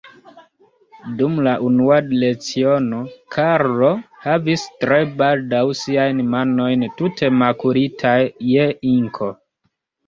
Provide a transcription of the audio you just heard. Dum la unua leciono, Karlo havis tre baldaŭ siajn manojn tute makulitaj je inko.